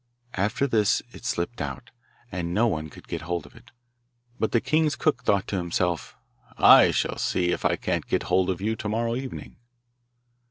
After this it slipped out, and no one could get hold of it. But the king's cook thought to himself, 'I shall see if I can't get hold of you to morrow evening.